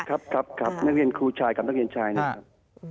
ครับครับนักเรียนครูชายกับนักเรียนชายนะครับ